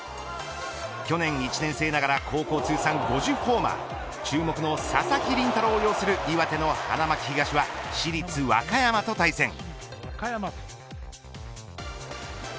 去年、１年生ながら高校通算５０ホーマー注目の佐々木麟太郎を要する岩手の花巻東は市立和歌山と対戦。